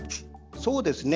そうですね。